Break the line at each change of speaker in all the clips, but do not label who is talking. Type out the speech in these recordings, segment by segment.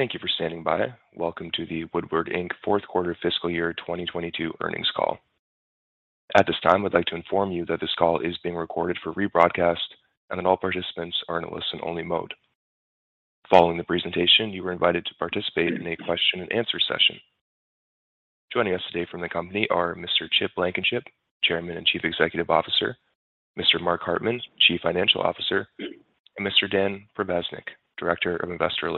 Thank you for standing by. Welcome to the Woodward, Inc. Q4 Fiscal Year 2022 Earnings Call. At this time, we'd like to inform you that this call is being recorded for rebroadcast and that all participants are in a listen-only mode. Following the presentation, you are invited to participate in a question-and-answer session. Joining us today from the company are Mr. Chip Blankenship, Chairman and Chief Executive Officer, Mr. Mark Hartman, Chief Financial Officer, and Mr. Dan Provaznik, Director of Investor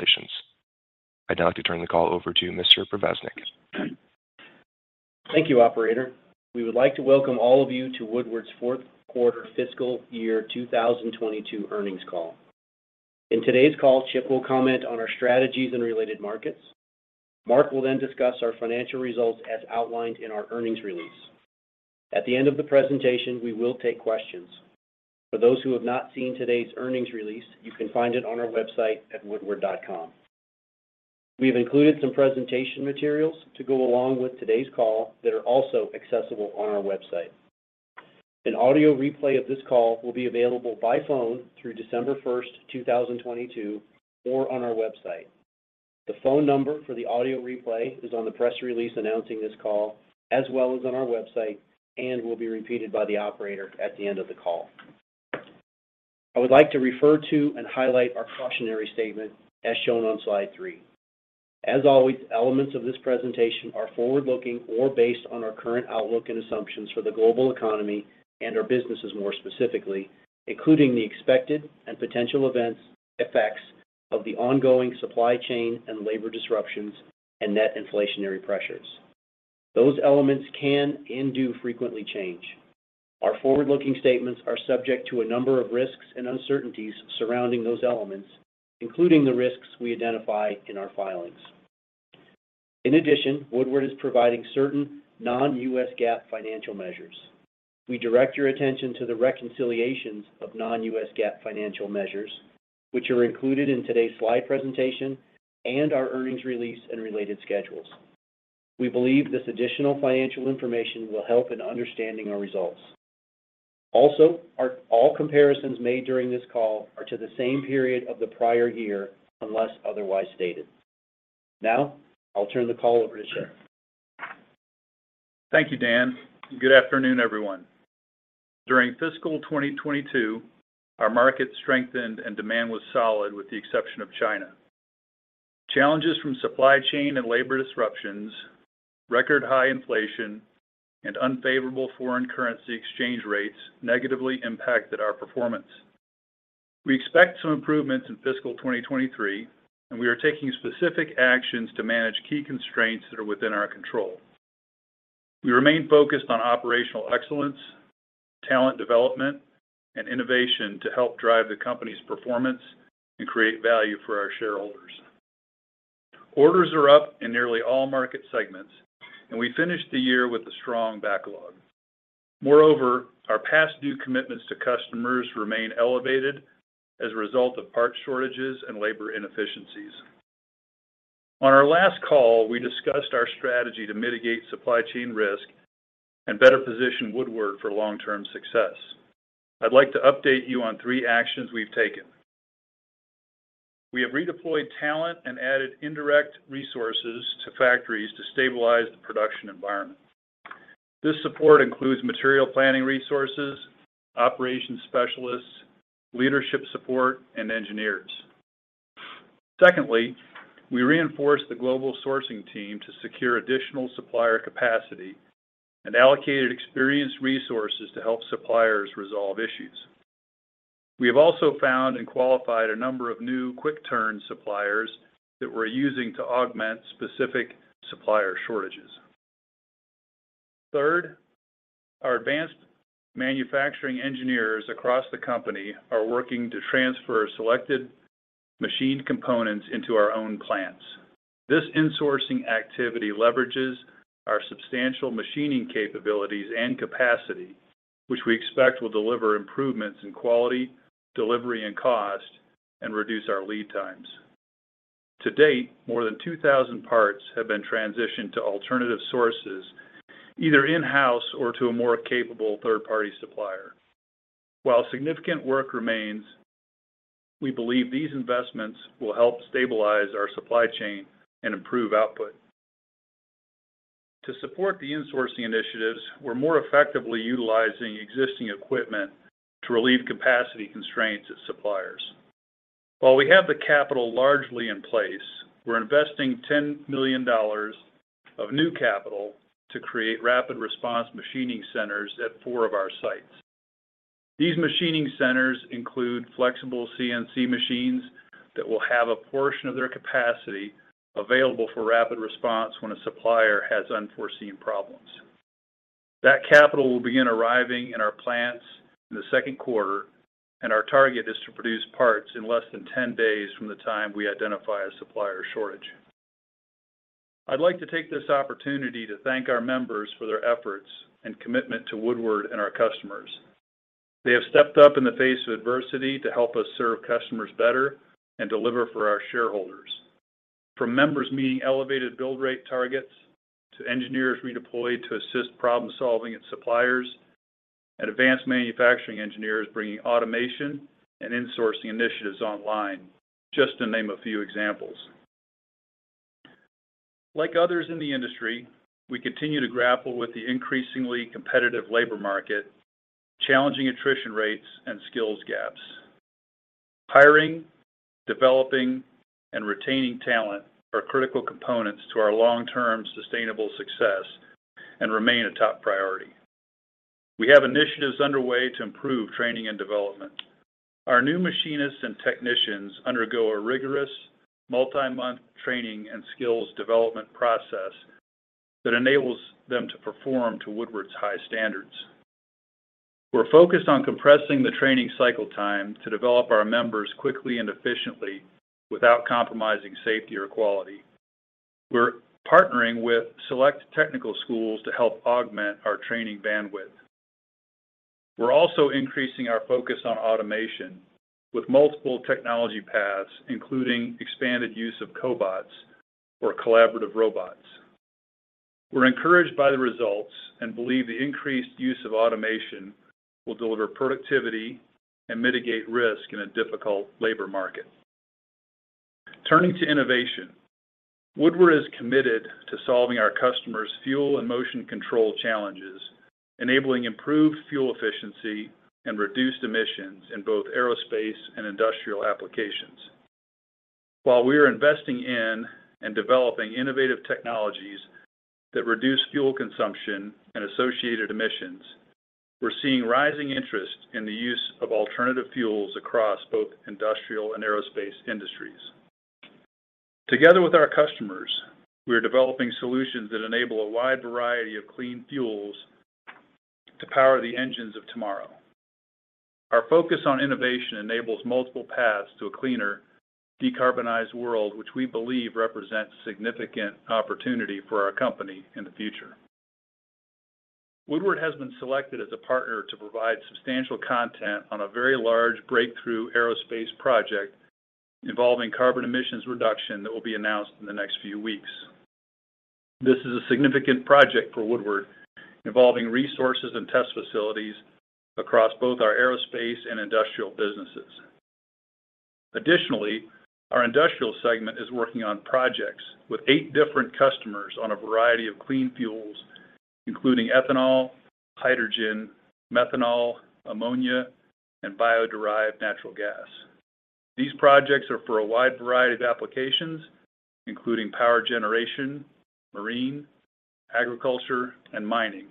Relations. I'd now like to turn the call over to Mr. Provaznik.
Thank you, Operator. We would like to welcome all of you to Woodward's Q4 Fiscal Year 2022 Earnings Call. In today's call, Chip will comment on our strategies and related markets. Mark will then discuss our financial results as outlined in our earnings release. At the end of the presentation, we will take questions. For those who have not seen today's earnings release, you can find it on our website at woodward.com. We have included some presentation materials to go along with today's call that are also accessible on our website. An audio replay of this call will be available by phone through December 1st, 2022, or on our website. The phone number for the audio replay is on the press release announcing this call, as well as on our website and will be repeated by the Operator at the end of the call. I would like to refer to and highlight our cautionary statement as shown on slide three. As always, elements of this presentation are forward-looking or based on our current outlook and assumptions for the global economy and our businesses more specifically, including the expected and potential events, effects of the ongoing supply chain and labor disruptions and net inflationary pressures. Those elements can and do frequently change. Our forward-looking statements are subject to a number of risks and uncertainties surrounding those elements, including the risks we identify in our filings. In addition, Woodward is providing certain non-U.S. GAAP financial measures. We direct your attention to the reconciliations of non-U.S. GAAP financial measures, which are included in today's slide presentation and our earnings release and related schedules. We believe this additional financial information will help in understanding our results. Also, all comparisons made during this call are to the same period of the prior year, unless otherwise stated. Now, I'll turn the call over to Chip.
Thank you, Dan. Good afternoon, everyone. During fiscal 2022, our market strengthened and demand was solid with the exception of China. Challenges from supply chain and labor disruptions, record high inflation, and unfavorable foreign currency exchange rates negatively impacted our performance. We expect some improvements in fiscal 2023, and we are taking specific actions to manage key constraints that are within our control. We remain focused on operational excellence, talent development, and innovation to help drive the company's performance and create value for our shareholders. Orders are up in nearly all market segments, and we finished the year with a strong backlog. Moreover, our past due commitments to customers remain elevated as a result of part shortages and labor inefficiencies. On our last call, we discussed our strategy to mitigate supply chain risk and better position Woodward for long-term success. I'd like to update you on three actions we've taken. We have redeployed talent and added indirect resources to factories to stabilize the production environment. This support includes material planning resources, operations specialists, leadership support, and engineers. Secondly, we reinforced the global sourcing team to secure additional supplier capacity and allocated experienced resources to help suppliers resolve issues. We have also found and qualified a number of new quick-turn suppliers that we're using to augment specific supplier shortages. Third, our advanced manufacturing engineers across the company are working to transfer selected machine components into our own plants. This insourcing activity leverages our substantial machining capabilities and capacity, which we expect will deliver improvements in quality, delivery, and cost, and reduce our lead times. To date, more than 2,000 parts have been transitioned to alternative sources, either in-house or to a more capable third-party supplier. While significant work remains, we believe these investments will help stabilize our supply chain and improve output. To support the insourcing initiatives, we're more effectively utilizing existing equipment to relieve capacity constraints at suppliers. While we have the capital largely in place, we're investing $10 million of new capital to create rapid response machining centers at four of our sites. These machining centers include flexible CNC machines that will have a portion of their capacity available for rapid response when a supplier has unforeseen problems. That capital will begin arriving in our plants in the Q2, and our target is to produce parts in less than 10 days from the time we identify a supplier shortage. I'd like to take this opportunity to thank our members for their efforts and commitment to Woodward and our customers. They have stepped up in the face of adversity to help us serve customers better and deliver for our shareholders. From members meeting elevated build rate targets to engineers redeployed to assist problem-solving at suppliers and advanced manufacturing engineers bringing automation and insourcing initiatives online, just to name a few examples. Like others in the industry, we continue to grapple with the increasingly competitive labor market, challenging attrition rates and skills gaps. Hiring, developing and retaining talent are critical components to our long-term sustainable success and remain a top priority. We have initiatives underway to improve training and development. Our new machinists and technicians undergo a rigorous multi-month training and skills development process that enables them to perform to Woodward's high standards. We're focused on compressing the training cycle time to develop our members quickly and efficiently without compromising safety or quality. We're partnering with select technical schools to help augment our training bandwidth. We're also increasing our focus on automation with multiple technology paths, including expanded use of cobots or collaborative robots. We're encouraged by the results and believe the increased use of automation will deliver productivity and mitigate risk in a difficult labor market. Turning to innovation, Woodward is committed to solving our customers' fuel and motion control challenges, enabling improved fuel efficiency and reduced emissions in both aerospace and industrial applications. While we are investing in and developing innovative technologies that reduce fuel consumption and associated emissions, we're seeing rising interest in the use of alternative fuels across both industrial and aerospace industries. Together with our customers, we are developing solutions that enable a wide variety of clean fuels to power the engines of tomorrow. Our focus on innovation enables multiple paths to a cleaner, decarbonized world, which we believe represents significant opportunity for our company in the future. Woodward has been selected as a partner to provide substantial content on a very large breakthrough aerospace project involving carbon emissions reduction that will be announced in the next few weeks. This is a significant project for Woodward, involving resources and test facilities across both our aerospace and industrial businesses. Additionally, our industrial segment is working on projects with eight different customers on a variety of clean fuels, including ethanol, hydrogen, methanol, ammonia, and bio-derived natural gas. These projects are for a wide variety of applications, including power generation, marine, agriculture, and mining,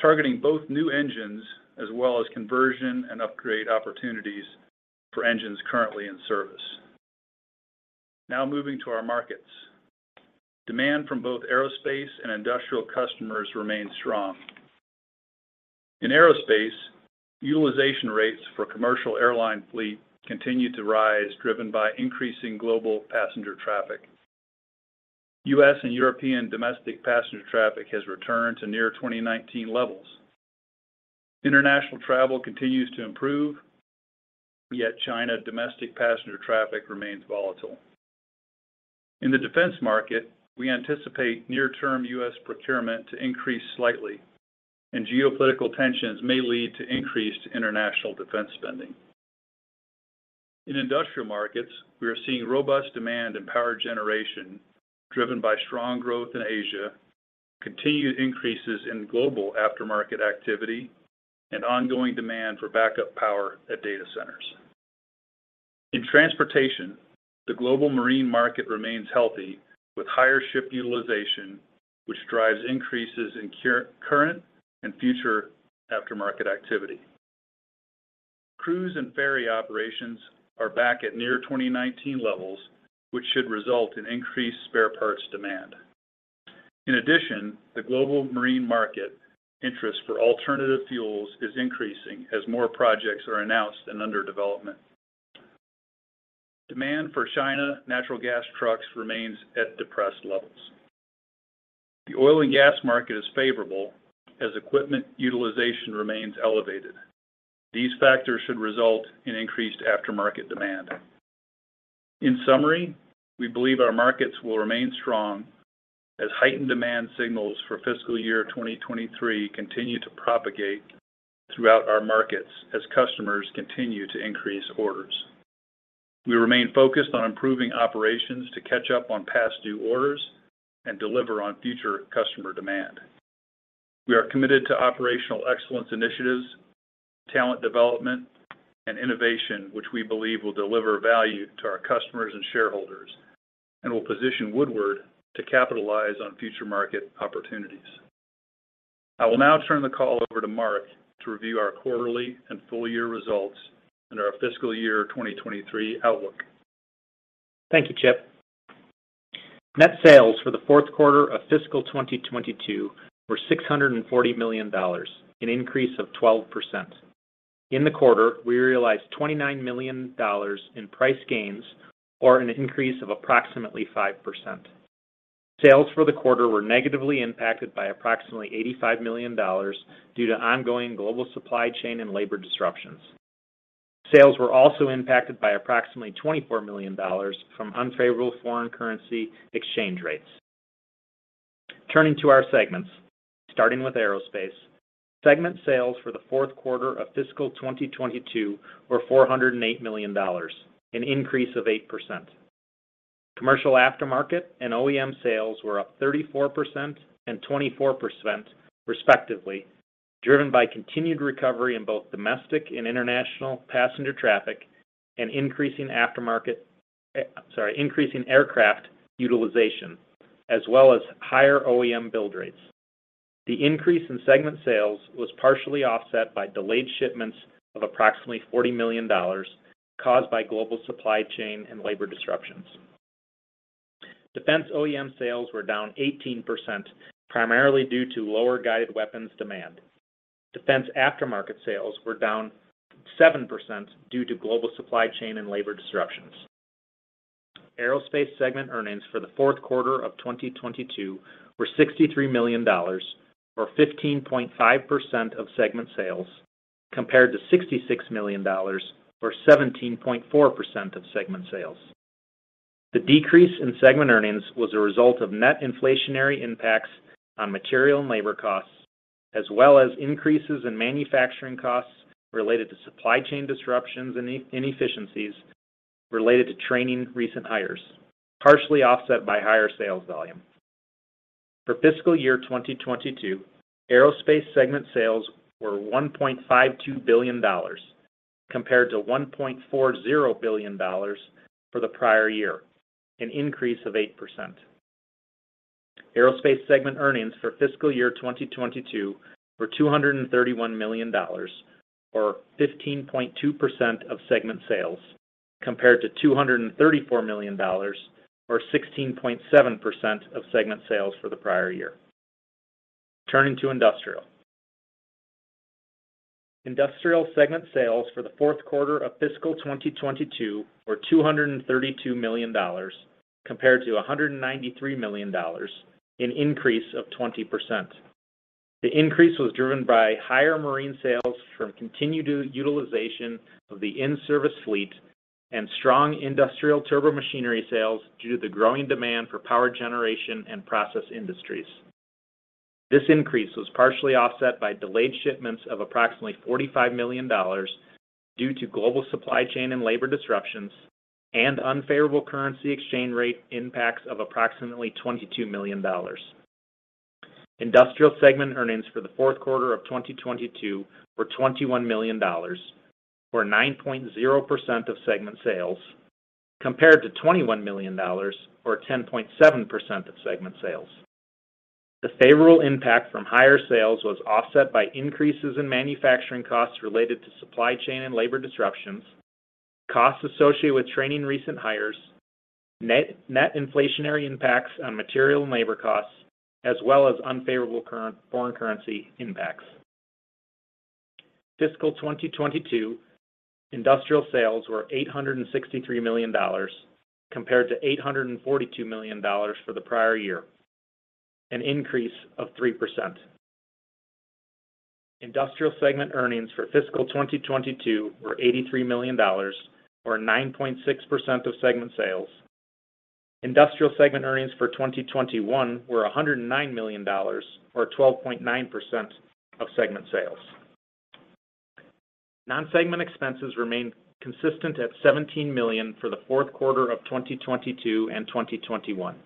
targeting both new engines as well as conversion and upgrade opportunities for engines currently in service. Now moving to our markets. Demand from both aerospace and industrial customers remains strong. In aerospace, utilization rates for commercial airline fleet continue to rise, driven by increasing global passenger traffic. U.S. and European domestic passenger traffic has returned to near 2019 levels. International travel continues to improve, yet China domestic passenger traffic remains volatile. In the defense market, we anticipate near-term U.S. procurement to increase slightly, and geopolitical tensions may lead to increased international defense spending. In industrial markets, we are seeing robust demand in power generation driven by strong growth in Asia, continued increases in global aftermarket activity, and ongoing demand for backup power at data centers. In transportation, the global marine market remains healthy with higher ship utilization, which drives increases in current and future aftermarket activity. Cruise and ferry operations are back at near 2019 levels, which should result in increased spare parts demand. In addition, the global marine market interest for alternative fuels is increasing as more projects are announced and under development. Demand for China natural gas trucks remains at depressed levels. The oil and gas market is favorable as equipment utilization remains elevated. These factors should result in increased aftermarket demand. In summary, we believe our markets will remain strong as heightened demand signals for fiscal year 2023 continue to propagate throughout our markets as customers continue to increase orders. We remain focused on improving operations to catch up on past due orders and deliver on future customer demand. We are committed to operational excellence initiatives, talent development and innovation, which we believe will deliver value to our customers and shareholders and will position Woodward to capitalize on future market opportunities. I will now turn the call over to Mark to review our quarterly and full-year results and our fiscal year 2023 outlook.
Thank you, Chip. Net sales for the Q4 of fiscal 2022 were $640 million, an increase of 12%. In the quarter, we realized $29 million in price gains or an increase of approximately 5%. Sales for the quarter were negatively impacted by approximately $85 million due to ongoing global supply chain and labor disruptions. Sales were also impacted by approximately $24 million from unfavorable foreign currency exchange rates. Turning to our segments, starting with Aerospace. Segment sales for the Q4 of fiscal 2022 were $408 million, an increase of 8%. Commercial Aftermarket and OEM sales were up 34% and 24% respectively, driven by continued recovery in both domestic and international passenger traffic and increasing aircraft utilization, as well as higher OEM build rates. The increase in segment sales was partially offset by delayed shipments of approximately $40 million caused by global supply chain and labor disruptions. Defense OEM sales were down eighteen percent primarily due to lower guided weapons demand. Defense aftermarket sales were down seven percent due to global supply chain and labor disruptions. Aerospace segment earnings for the Q4 of 2022 were $63 million, or 15.5% of segment sales, compared to $66 million, or 17.4% of segment sales. The decrease in segment earnings was a result of net inflationary impacts on material and labor costs, as well as increases in manufacturing costs related to supply chain disruptions and in-efficiencies related to training recent hires, partially offset by higher sales volume. For fiscal year 2022, Aerospace segment sales were $1.52 billion compared to $1.40 billion for the prior year, an increase of 8%. Aerospace segment earnings for fiscal year 2022 were $231 million, or 15.2% of segment sales, compared to $234 million or 16.7% of segment sales for the prior year. Turning to Industrial. Industrial segment sales for the Q4 of fiscal 2022 were $232 million compared to $193 million, an increase of 20%. The increase was driven by higher marine sales from continued utilization of the in-service fleet and strong industrial turbomachinery sales due to the growing demand for power generation and process industries. This increase was partially offset by delayed shipments of approximately $45 million due to global supply chain and labor disruptions and unfavorable currency exchange rate impacts of approximately $22 million. Industrial segment earnings for the Q4 of 2022 were $21 million, or 9.0% of segment sales, compared to $21 million or 10.7% of segment sales. The favorable impact from higher sales was offset by increases in manufacturing costs related to supply chain and labor disruptions, costs associated with training recent hires, net inflationary impacts on material and labor costs, as well as unfavorable current foreign currency impacts. Fiscal 2022 industrial sales were $863 million compared to $842 million for the prior year, an increase of 3%. Industrial segment earnings for fiscal 2022 were $83 million or 9.6% of segment sales. Industrial segment earnings for 2021 were $109 million or 12.9% of segment sales. Non-segment expenses remained consistent at $17 million for the Q4 of 2022 and 2021.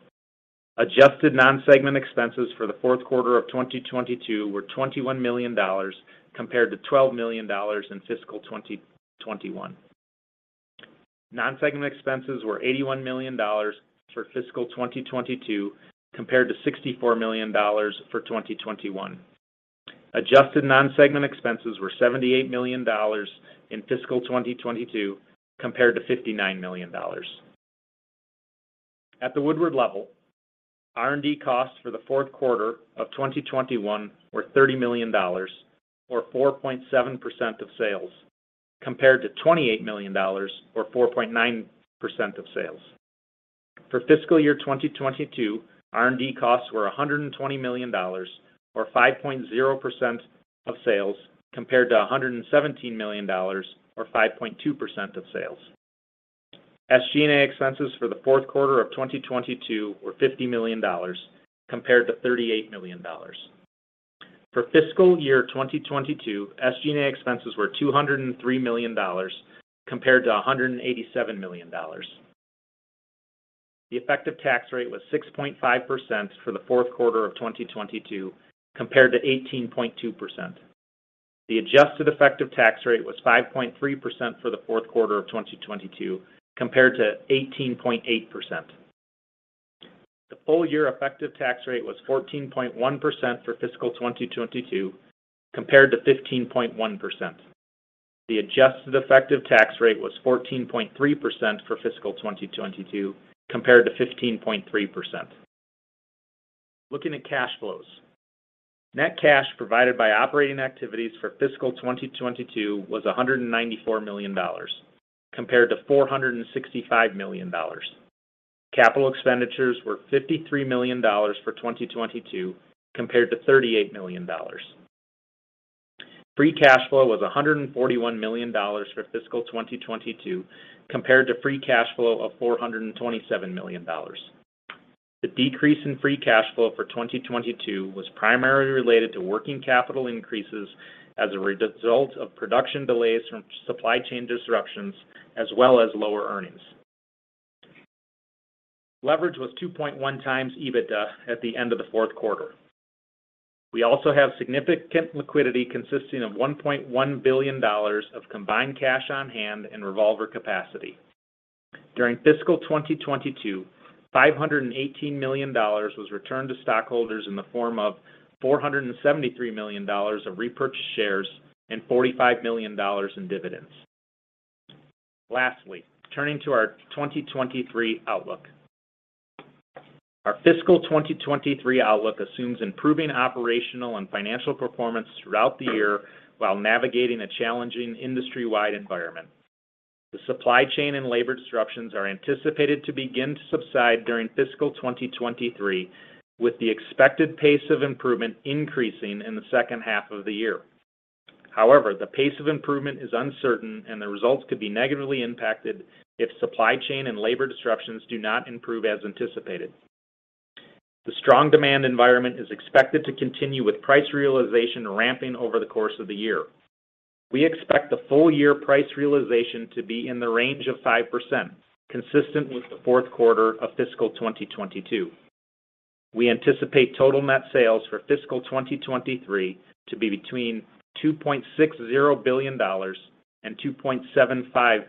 Adjusted non-segment expenses for the Q4 of 2022 were $21 million compared to $12 million in fiscal 2021. Non-segment expenses were $81 million for fiscal 2022 compared to $64 million for 2021. Adjusted non-segment expenses were $78 million in fiscal 2022 compared to $59 million. At the Woodward level, R&D costs for the Q4 of 2021 were $30 million or 4.7% of sales, compared to $28 million or 4.9% of sales. For fiscal year 2022, R&D costs were $120 million or 5.0% of sales, compared to $117 million or 5.2% of sales. SG&A expenses for the Q4 of 2022 were $50 million compared to $38 million. For fiscal year 2022, SG&A expenses were $203 million compared to $187 million. The effective tax rate was 6.5% for the Q4 of 2022 compared to 18.2%. The adjusted effective tax rate was 5.3% for the Q4 of 2022 compared to 18.8%. The full year effective tax rate was 14.1% for fiscal 2022 compared to 15.1%. The adjusted effective tax rate was 14.3% for fiscal 2022 compared to 15.3%. Looking at cash flows. Net cash provided by operating activities for fiscal 2022 was $194 million compared to $465 million. Capital expenditures were $53 million for 2022 compared to $38 million. Free cash flow was $141 million for fiscal 2022 compared to free cash flow of $427 million. The decrease in free cash flow for 2022 was primarily related to working capital increases as a result of production delays from supply chain disruptions as well as lower earnings. Leverage was 2.1x EBITDA at the end of the Q4. We also have significant liquidity consisting of $1.1 billion of combined cash on hand and revolver capacity. During fiscal 2022, $518 million was returned to stockholders in the form of $473 million of repurchased shares and $45 million in dividends. Lastly, turning to our 2023 outlook. Our fiscal 2023 outlook assumes improving operational and financial performance throughout the year while navigating a challenging industry-wide environment. The supply chain and labor disruptions are anticipated to begin to subside during fiscal 2023, with the expected pace of improvement increasing in the second half of the year. However, the pace of improvement is uncertain, and the results could be negatively impacted if supply chain and labor disruptions do not improve as anticipated. The strong demand environment is expected to continue, with price realization ramping over the course of the year. We expect the full year price realization to be in the range of 5%, consistent with the Q4 of fiscal 2022. We anticipate total net sales for fiscal 2023 to be between $2.60 billion and $2.75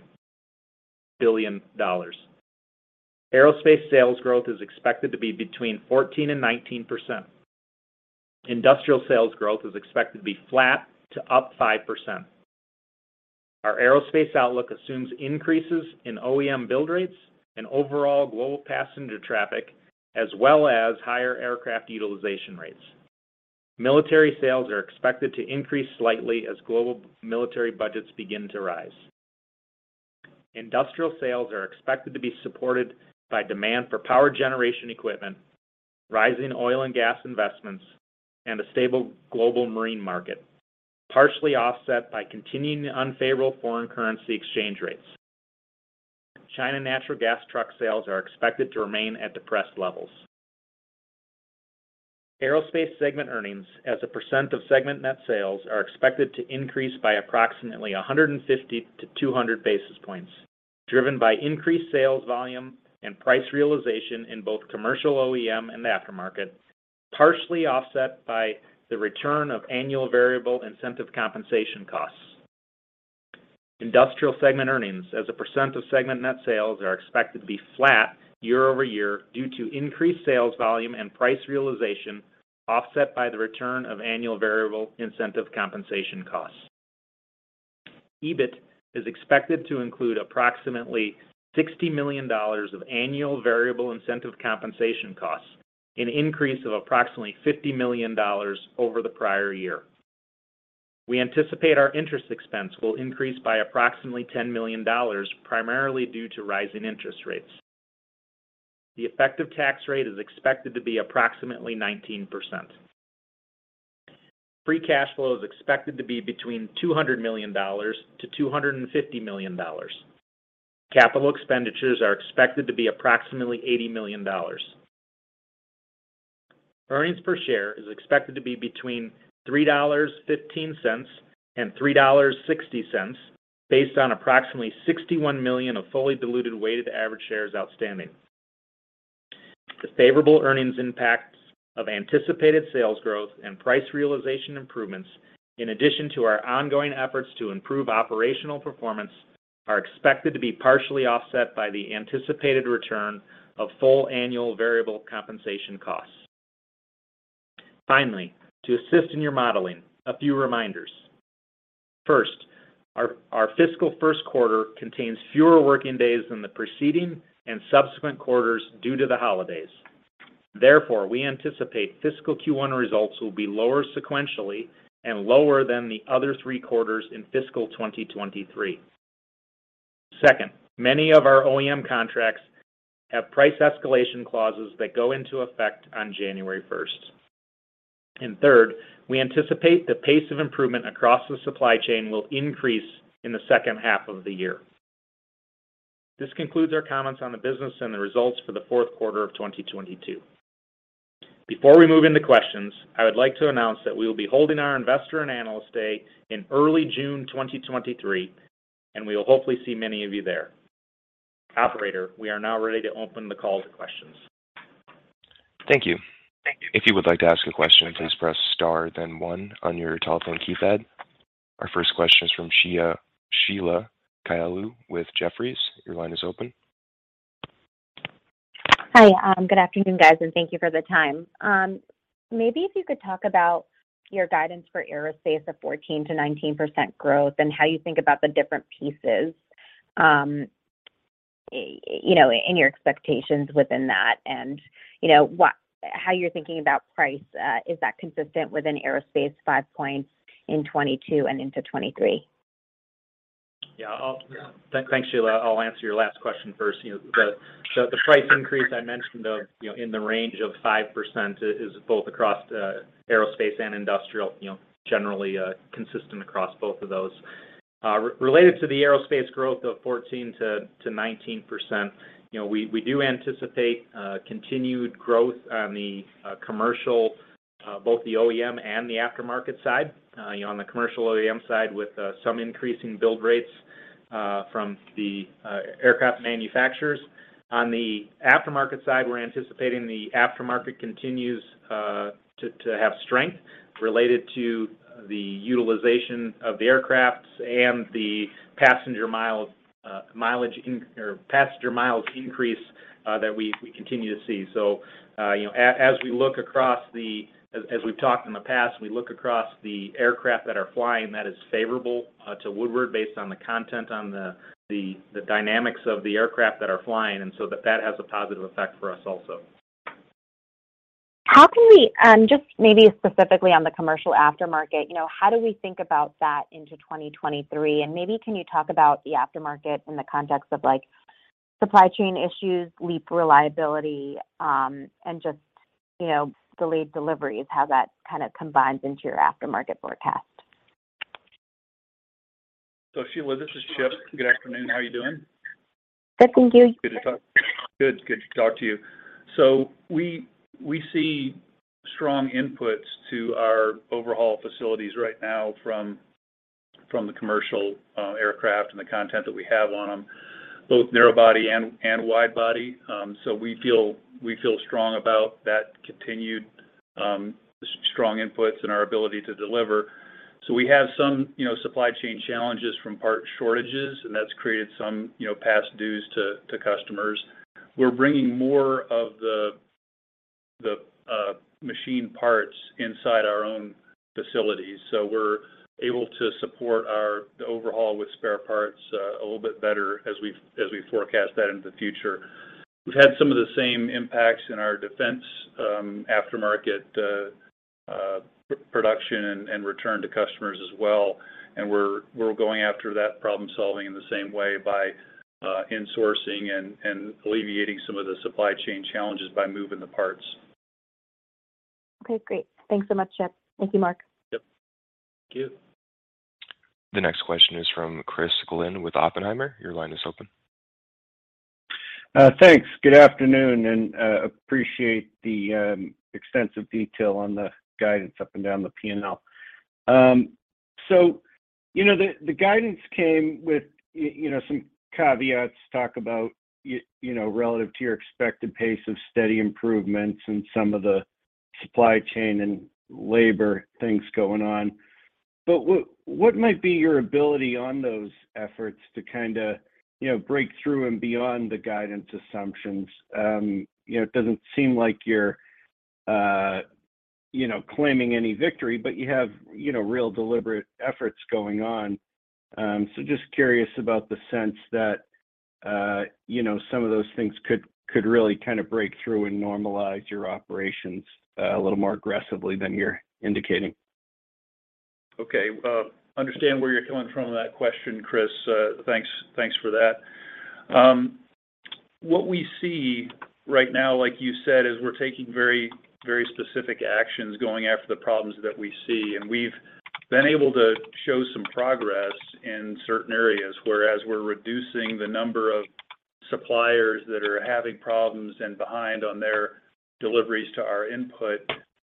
billion. Aerospace sales growth is expected to be between 14% and 19%. Industrial sales growth is expected to be flat to up 5%. Our aerospace outlook assumes increases in OEM build rates and overall global passenger traffic, as well as higher aircraft utilization rates. Military sales are expected to increase slightly as global military budgets begin to rise. Industrial sales are expected to be supported by demand for power generation equipment, rising oil and gas investments, and a stable global marine market, partially offset by continuing unfavorable foreign currency exchange rates. China natural gas truck sales are expected to remain at depressed levels. Aerospace segment earnings as a percent of segment net sales are expected to increase by approximately 150-200 basis points, driven by increased sales volume and price realization in both commercial OEM and aftermarket, partially offset by the return of annual variable incentive compensation costs. Industrial segment earnings as a percent of segment net sales are expected to be flat year-over-year due to increased sales volume and price realization, offset by the return of annual variable incentive compensation costs. EBIT is expected to include approximately $60 million of annual variable incentive compensation costs, an increase of approximately $50 million over the prior year. We anticipate our interest expense will increase by approximately $10 million, primarily due to rising interest rates. The effective tax rate is expected to be approximately 19%. Free cash flow is expected to be between $200 million-$250 million. Capital expenditures are expected to be approximately $80 million. Earnings per share is expected to be between $3.15 and $3.60 based on approximately 61 million of fully diluted weighted average shares outstanding. The favorable earnings impacts of anticipated sales growth and price realization improvements, in addition to our ongoing efforts to improve operational performance, are expected to be partially offset by the anticipated return of full annual variable compensation costs. Finally, to assist in your modeling, a few reminders. First, our fiscal Q1 contains fewer working days than the preceding and subsequent quarters due to the holidays. Therefore, we anticipate fiscal Q1 results will be lower sequentially and lower than the other three quarters in fiscal 2023. Second, many of our OEM contracts have price escalation clauses that go into effect on January 1st. Third, we anticipate the pace of improvement across the supply chain will increase in the second half of the year. This concludes our comments on the business and the results for the Q4 of 2022. Before we move into questions, I would like to announce that we will be holding our Investor and Analyst Day in early June 2023, and we will hopefully see many of you there. Operator, we are now ready to open the call to questions.
Thank you.
Thank you.
If you would like to ask a question, please press star then one on your telephone keypad. Our first question is from Sheila Kahyaoglu with Jefferies. Your line is open.
Hi, good afternoon, guys, and thank you for the time. Maybe if you could talk about your guidance for aerospace of 14%-19% growth and how you think about the different pieces, you know, in your expectations within that, and, you know, how you're thinking about price. Is that consistent within aerospace five points in 2022 and into 2023?
Yeah, I'll-- Yeah. Thank, thanks, Sheila. I'll answer your last question first. You know, the price increase I mentioned of, you know, in the range of five percent is both across, uh, aerospace and industrial, you know, generally, uh, consistent across both of those. Uh, re-related to the aerospace growth of fourteen to nineteen percent, you know, we do anticipate, uh, continued growth on the, uh, commercial, uh, both the OEM and the aftermarket side. Uh, you know, on the commercial OEM side with, uh, some increasing build rates, uh, from the, uh, aircraft manufacturers. On the aftermarket side, we're anticipating the aftermarket continues, uh, to have strength related to the utilization of the aircrafts and the passenger miles, uh, mileage inc- or passenger miles increase, uh, that we continue to see. You know, as we've talked in the past, we look across the aircraft that are flying. That is favorable to Woodward based on the content and the dynamics of the aircraft that are flying, and so that has a positive effect for us also.
Just maybe specifically on the commercial aftermarket, you know, how do we think about that into 2023? Maybe can you talk about the aftermarket in the context of, like, supply chain issues, LEAP reliability, and just, you know, delayed deliveries, how that kind of combines into your aftermarket forecast?
Sheila, this is Chip. Good afternoon. How are you doing?
Good. Thank you.
Good to talk. Good to talk to you. We see strong inputs to our overhaul facilities right now from the commercial aircraft and the content that we have on them, both narrow-body and wide-body. We feel strong about that continued strong inputs and our ability to deliver. We have some, you know, supply chain challenges from part shortages, and that's created some, you know, past dues to customers. We're bringing more of the machine parts inside our own facilities. We're able to support the overhaul with spare parts a little bit better as we forecast that into the future. We've had some of the same impacts in our defense aftermarket production and return to customers as well. We're going after that problem-solving in the same way by insourcing and alleviating some of the supply chain challenges by moving the parts.
Okay. Great. Thanks so much, Chip. Thank you, Mark.
Yep. Thank you.
The next question is from Christopher Glynn with Oppenheimer. Your line is open.
Thanks. Good afternoon, and appreciate the extensive detail on the guidance up and down the P&L. You know, the guidance came with, you know, some caveats, talk about you know, relative to your expected pace of steady improvements and some of the supply chain and labor things going on. What might be your ability on those efforts to kinda, you know, break through and beyond the guidance assumptions? You know, it doesn't seem like you're, you know, claiming any victory, but you have, you know, real deliberate efforts going on. Just curious about the sense that, you know, some of those things could really kind of break through and normalize your operations a little more aggressively than you're indicating.
Okay. Understand where you're coming from with that question, Chris. Thanks for that. What we see right now, like you said, is we're taking very specific actions going after the problems that we see, and we've been able to show some progress in certain areas, whereas we're reducing the number of suppliers that are having problems and behind on their deliveries to our input,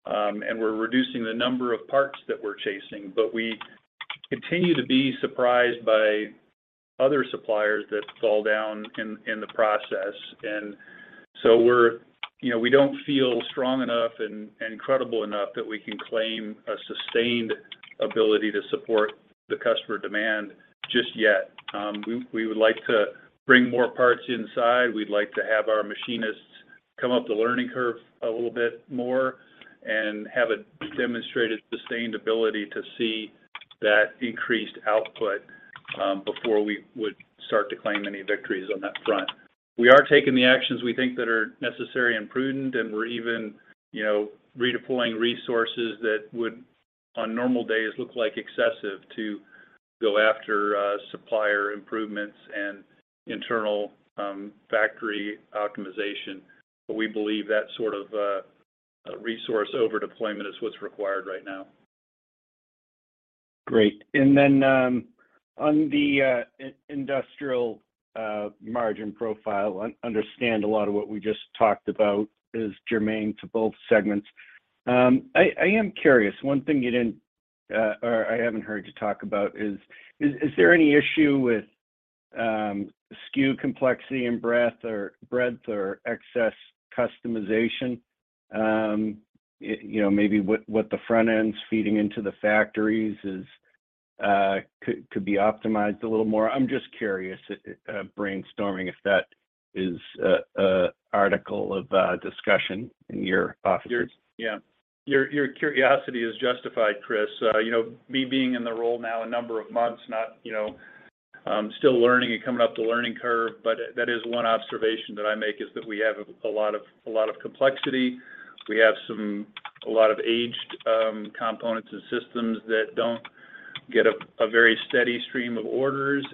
and we're reducing the number of parts that we're chasing. We continue to be surprised by other suppliers that fall down in the process. You know, we don't feel strong enough and credible enough that we can claim a sustained ability to support the customer demand just yet. We would like to bring more parts inside. We'd like to have our machinists come up the learning curve a little bit more and have a demonstrated sustained ability to see that increased output before we would start to claim any victories on that front. We are taking the actions we think that are necessary and prudent, and we're even, you know, redeploying resources that would, on normal days, look like excessive to go after supplier improvements and internal factory optimization. We believe that sort of resource over deployment is what's required right now.
Great. On the industrial margin profile, understand a lot of what we just talked about is germane to both segments. I am curious, one thing you didn't or I haven't heard you talk about is there any issue with SKU complexity and breadth or excess customization? You know, maybe what the front end's feeding into the factories could be optimized a little more? I'm just curious, brainstorming if that is a article of discussion in your offices.
Yeah, your curiosity is justified, Chris. You know, me being in the role now a number of months, you know, still learning and coming up the learning curve, but that is one observation that I make is that we have a lot of complexity. A lot of aged components and systems that don't get a very steady stream of orders.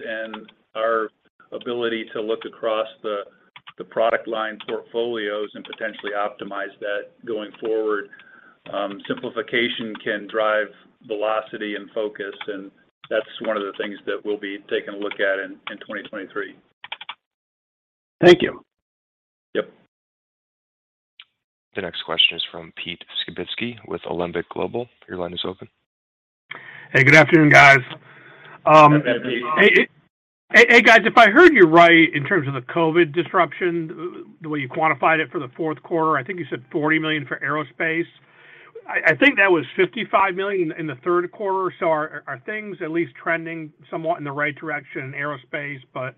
Our ability to look across the product line portfolios and potentially optimize that going forward, simplification can drive velocity and focus, and that's one of the things that we'll be taking a look at in 2023.
Thank you.
Yep.
The next question is from Peter Skibitski with Alembic Global. Your line is open.
Hey, good afternoon, guys.
Good afternoon.
Hey, hey, guys, if I heard you right in terms of the COVID disruption, the way you quantified it for the Q4, I think you said $40 million for aerospace. I think that was $55 million in the Q3. Are things at least trending somewhat in the right direction in aerospace, but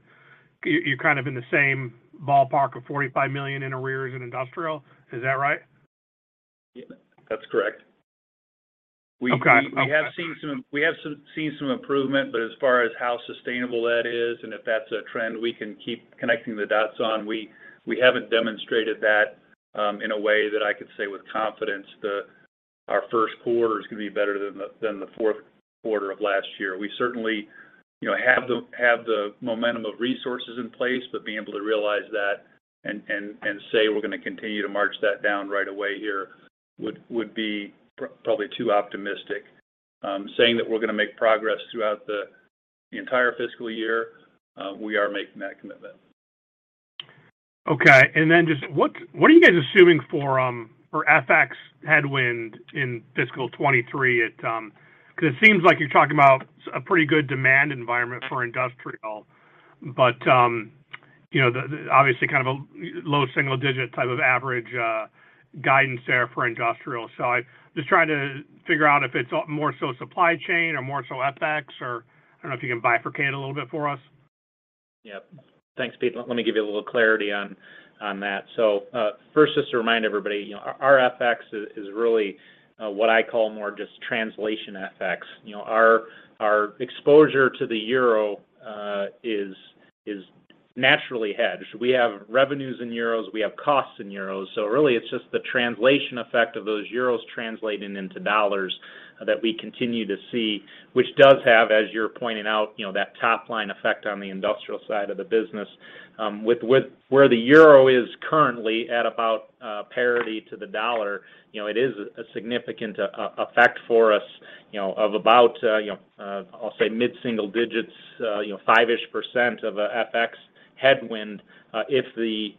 you're kind of in the same ballpark of $45 million in arrears in industrial? Is that right?
Yeah, that's correct.
Okay.
We have seen some improvement, but as far as how sustainable that is and if that's a trend we can keep connecting the dots on, we haven't demonstrated that in a way that I could say with confidence our Q1 is going to be better than the Q4 of last year. We certainly, you know, have the momentum of resources in place, but being able to realize that and say we're going to continue to march that down right away here would be probably too optimistic. Saying that we're going to make progress throughout the entire fiscal year, we are making that commitment.
Okay. What are you guys assuming for FX headwind in fiscal 2023? 'Cause it seems like you're talking about a pretty good demand environment for industrial. You know, obviously kind of a low single-digit type of average guidance there for industrial. I'm just trying to figure out if it's more so supply chain or more so FX or I don't know if you can bifurcate a little bit for us.
Yeah. Thanks, Pete. Let me give you a little clarity on that. First, just to remind everybody, you know, our FX is really what I call more just translation FX. You know, our exposure to the euro is naturally hedged. We have revenues in euros, we have costs in euros. Really it's just the translation effect of those euros translating into dollars that we continue to see, which does have, as you're pointing out, you know, that top line effect on the industrial side of the business. With where the euro is currently at about parity to the dollar, you know, it is a significant effect for us, you know, of about, you know, I'll say mid-single digits, you know, 5-ish% of a FX headwind if the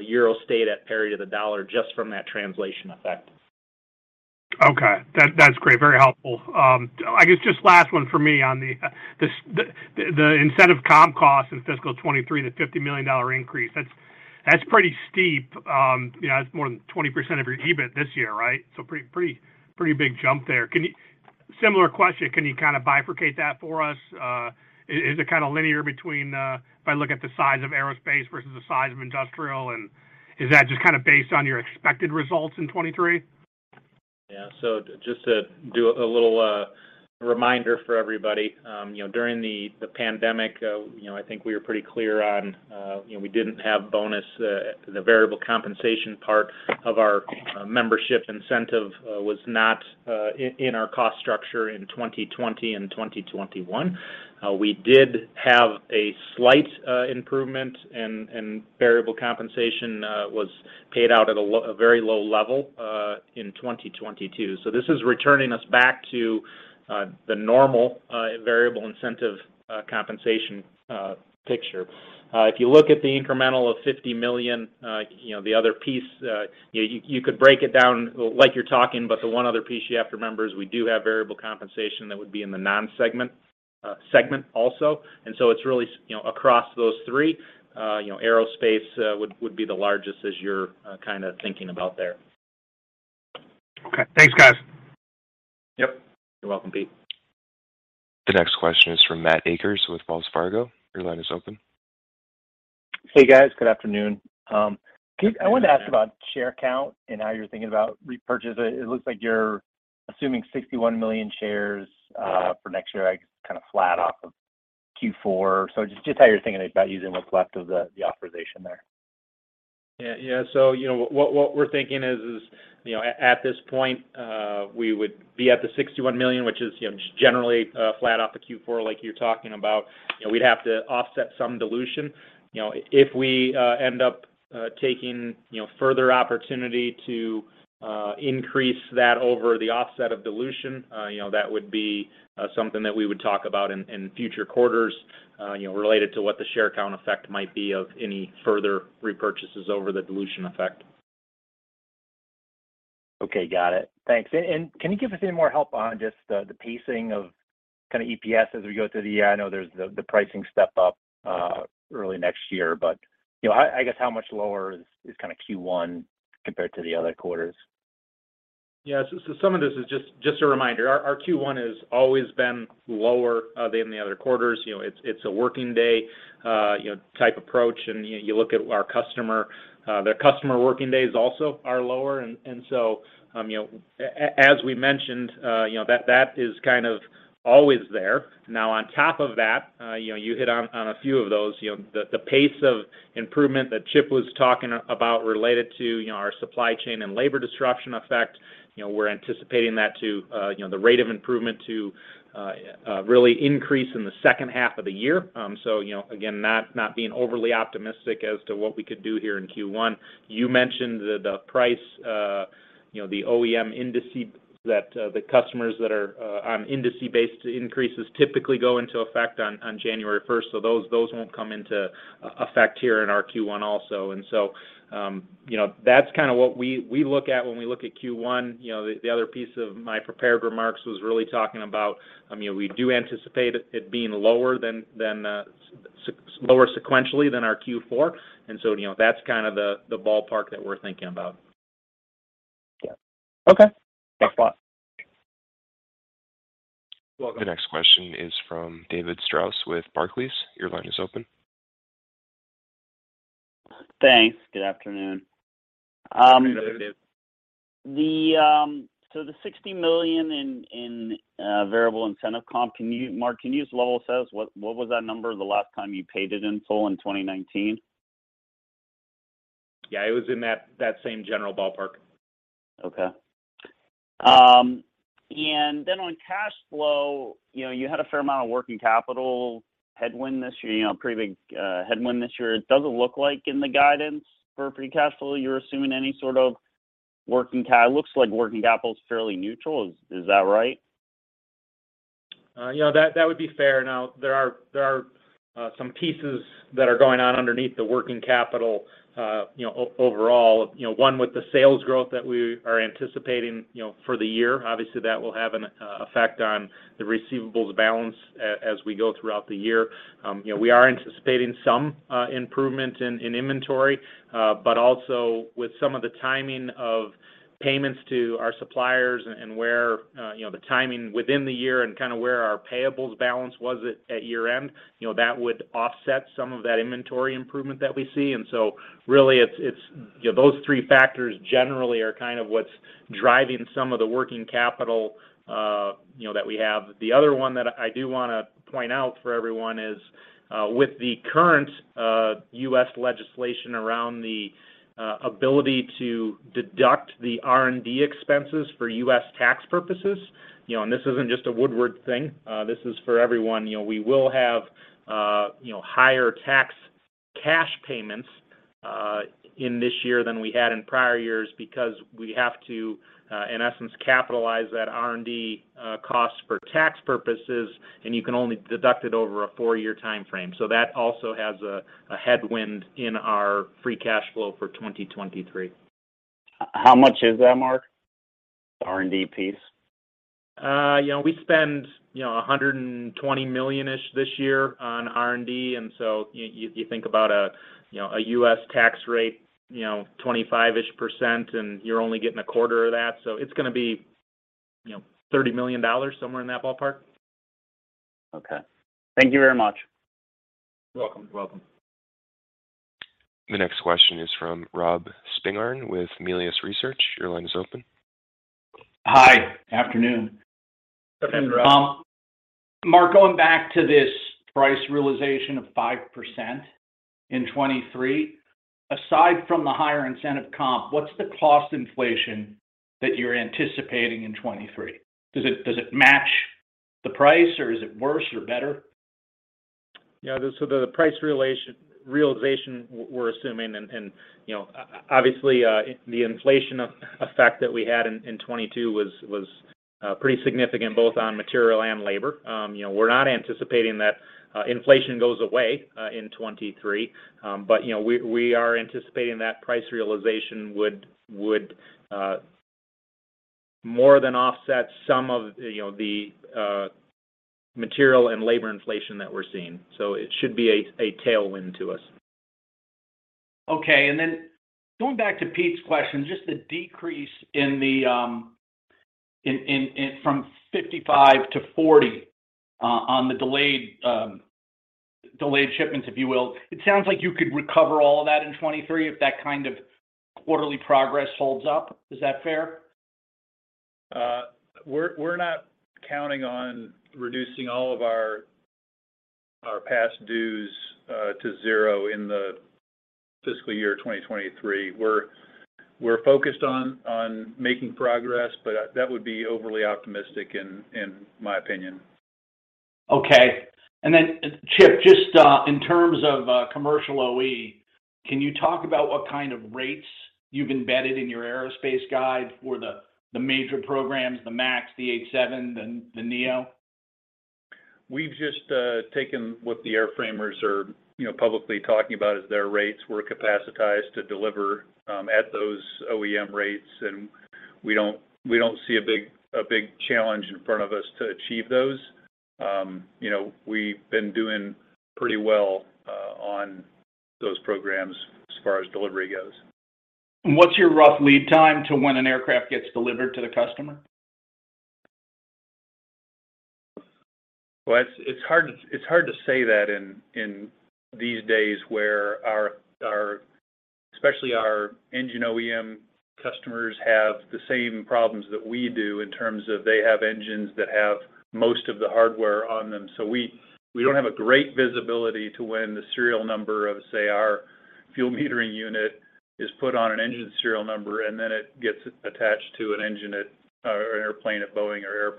euro stayed at parity of the dollar just from that translation effect.
Okay. That's great. Very helpful. I guess just last one for me on the incentive comp cost in fiscal 2023, the $50 million increase, that's pretty steep. You know, that's more than 20% of your EBIT this year, right? Pretty big jump there. Similar question, can you kind of bifurcate that for us? Is it kind of linear between if I look at the size of aerospace versus the size of industrial, and is that just kind of based on your expected results in 2023?
Yeah. Just to do a little reminder for everybody, you know, during the pandemic, you know, I think we were pretty clear on, you know, we didn't have bonus. The variable compensation part of our membership incentive was not in our cost structure in 2020 and 2021. We did have a slight improvement and variable compensation was paid out at a very low level in 2022. This is returning us back to the normal variable incentive compensation picture. If you look at the incremental of $50 million, you know, the other piece, you could break it down like you're talking, but the one other piece you have to remember is we do have variable compensation that would be in the non-segment segment also. It's really, you know, across those three, you know, aerospace would be the largest as you're kind of thinking about there.
Okay. Thanks, guys.
Yep. You're welcome, Peter.
The next question is from Matthew Akers with Wells Fargo. Your line is open.
Hey, guys. Good afternoon. Chip Blankenship, I wanted to ask you about share count and how you're thinking about repurchase. It looks like you're assuming 61 million shares for next year, I guess kind of flat off of Q4. Just how you're thinking about using what's left of the authorization there?
Yeah. Yeah. You know, what we're thinking is, you know, at this point, we would be at the 61 million, which is, you know, generally flat off the Q4 like you're talking about. You know, we'd have to offset some dilution. You know, if we end up taking, you know, further opportunity to increase that over the offset of dilution, you know, that would be something that we would talk about in future quarters, you know, related to what the share count effect might be of any further repurchases over the dilution effect.
Okay. Got it. Thanks. Can you give us any more help on just the pacing of kind of EPS as we go through the year? I know there's the pricing step up early next year, but, you know, I guess how much lower is kind of Q1 compared to the other quarters?
Yeah. Some of this is just a reminder. Our Q1 has always been lower than the other quarters. You know, it's a working day, you know, type approach. You look at our customer, their customer working days also are lower. You know, as we mentioned, you know, that is kind of always there. Now on top of that, you know, you hit on a few of those. You know, the pace of improvement that Chip was talking about related to, you know, our supply chain and labor disruption effect. You know, we're anticipating, you know, the rate of improvement to really increase in the second half of the year. You know, again, not being overly optimistic as to what we could do here in Q1. You mentioned the price, you know, the OEM indices that the customers that are on indices-based increases typically go into effect on January 1st. Those won't come into effect here in our Q1 also. You know, that's kind of what we look at when we look at Q1. You know, the other piece of my prepared remarks was really talking about, I mean, we do anticipate it being lower sequentially than our Q4. You know, that's kind of the ballpark that we're thinking about.
Yeah. Okay.
Yeah.
Thanks a lot.
You're welcome.
The next question is from David Strauss with Barclays. Your line is open.
Thanks. Good afternoon.
Good afternoon, David.
The $60 million in variable incentive comp, Mark, can you just level set us? What was that number the last time you paid it in full in 2019?
Yeah, it was in that same general ballpark.
Okay. On cash flow, you know, you had a fair amount of working capital headwind this year, you know, a pretty big headwind this year. It doesn't look like in the guidance for free cash flow, it looks like working capital is fairly neutral. Is that right?
You know, that would be fair. Now, there are some pieces that are going on underneath the working capital, you know, overall. You know, one with the sales growth that we are anticipating, you know, for the year. Obviously, that will have an effect on the receivables balance as we go throughout the year. You know, we are anticipating some improvement in inventory, but also with some of the timing of payments to our suppliers and where, you know, the timing within the year and kind of where our payables balance was at year-end, you know, that would offset some of that inventory improvement that we see. Really, it's, you know, those three factors generally are kind of what's driving some of the working capital, you know, that we have. The other one that I do wanna point out for everyone is with the current U.S. legislation around the ability to deduct the R&D expenses for U.S. tax purposes. You know, this isn't just a Woodward thing, this is for everyone. You know, we will have, you know, higher tax cash payments in this year than we had in prior years because we have to, in essence, capitalize that R&D cost for tax purposes, and you can only deduct it over a 4-year timeframe. That also has a headwind in our free cash flow for 2023.
How much is that, Mark? The R&D piece.
You know, we spend, you know, $120 million-ish this year on R&D. You think about, you know, a U.S. tax rate, you know, 25-ish%, and you're only getting a quarter of that. It's gonna be, you know, $30 million, somewhere in that ballpark.
Okay. Thank you very much.
You're welcome.
You're welcome.
The next question is from Robert Spingarn with Melius Research. Your line is open.
Hi. Afternoon.
Afternoon, Rob.
Mark, going back to this price realization of 5% in 2023, aside from the higher incentive comp, what's the cost inflation that you're anticipating in 2023? Does it match the price or is it worse or better?
Yeah. The price realization we're assuming, and, you know, obviously, the inflation effect that we had in 2022 was pretty significant both on material and labor. You know, we're not anticipating that inflation goes away in 2023. You know, we are anticipating that price realization would more than offset some of, you know, the material and labor inflation that we're seeing. It should be a tailwind to us.
Okay. Going back to Pete's question, just the decrease from 55-40 on the delayed shipments, if you will. It sounds like you could recover all of that in 2023 if that kind of quarterly progress holds up. Is that fair?
We're not counting on reducing all of our past dues to zero in the fiscal year 2023. We're focused on making progress, but that would be overly optimistic in my opinion.
Okay. Chip, just in terms of commercial OE, can you talk about what kind of rates you've embedded in your aerospace guide for the major programs, the MAX, the 787, the Neo?
We've just taken what the airframers are, you know, publicly talking about as their rates. We're capacitized to deliver at those OEM rates, and we don't see a big challenge in front of us to achieve those. You know, we've been doing pretty well on those programs as far as delivery goes.
What's your rough lead time to when an aircraft gets delivered to the customer?
Well, it's hard to say that in these days where our especially our engine OEM customers have the same problems that we do in terms of they have engines that have most of the hardware on them. We don't have a great visibility to when the serial number of, say, our Fuel Metering Unit is put on an engine serial number, and then it gets attached to an engine at or an airplane at Boeing or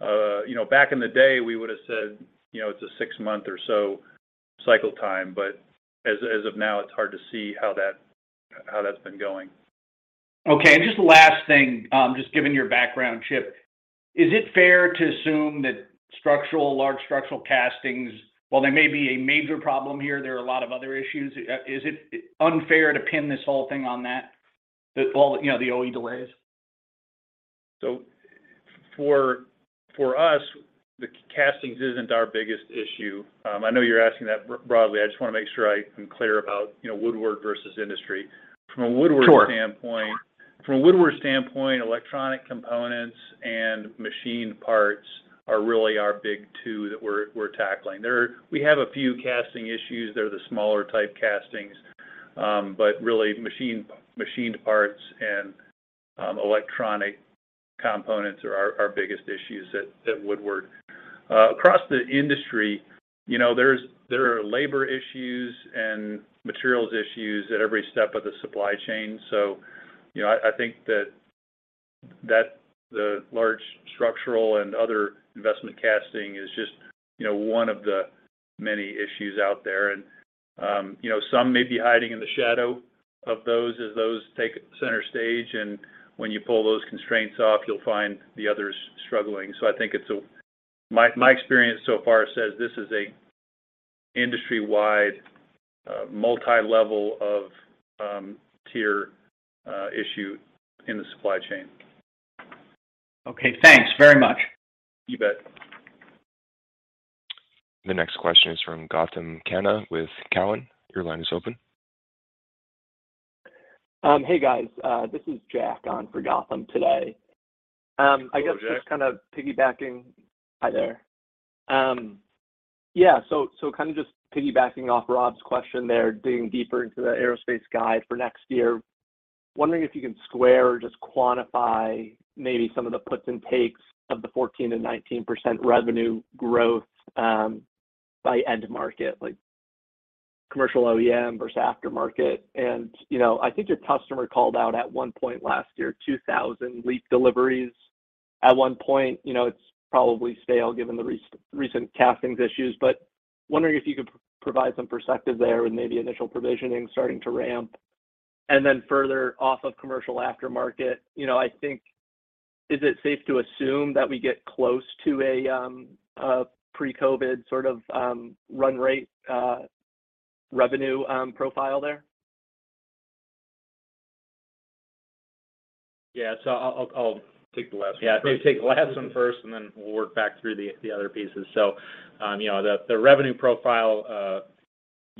Airbus. You know, back in the day, we would have said, you know, it's a six-month or so cycle time. As of now, it's hard to see how that's been going.
Okay. Just the last thing, just given your background, Chip, is it fair to assume that large structural castings, while they may be a major problem here, there are a lot of other issues? Is it unfair to pin this whole thing on that, you know, the O.E. delays?
For us, the castings isn't our biggest issue. I know you're asking that broadly. I just want to make sure I am clear about, you know, Woodward versus industry.
Sure.
From a Woodward standpoint, electronic components and machine parts are really our big two that we're tackling. We have a few casting issues. They're the smaller type castings. Really machined parts and electronic components are our biggest issues at Woodward. Across the industry, you know, there are labor issues and materials issues at every step of the supply chain. You know, I think that the large structural and other investment casting is just, you know, one of the many issues out there. You know, some may be hiding in the shadow of those as those take center stage. When you pull those constraints off, you'll find the others struggling. My experience so far says this is a industry-wide tier issue in the supply chain.
Okay. Thanks very much.
You bet.
The next question is from Gautam Khanna with Cowen. Your line is open.
Hey, guys. This is Jack on for Gautam today.
Hello, Jack.
Just kind of piggybacking. Hi there. Yeah, kind of just piggybacking off Rob's question there, digging deeper into the aerospace guide for next year. Wondering if you can square or just quantify maybe some of the puts and takes of the 14%-19% revenue growth by end market, like commercial OEM versus aftermarket. You know, I think your customer called out at one point last year, 2,000 LEAP deliveries at one point. You know, it's probably stale given the recent castings issues. Wondering if you could provide some perspective there with maybe initial provisioning starting to ramp. Further off of commercial aftermarket, you know, I think is it safe to assume that we get close to a pre-COVID sort of run rate revenue profile there?
Yeah.
Take the last one first.
Yeah, maybe take the last one first, and then we'll work back through the other pieces. You know, the revenue profile, you